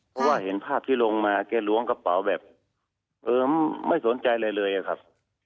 เพราะว่าเห็นภาพที่ลงมาแกล้วงกระเป๋าแบบไม่สนใจอะไรเลยครับ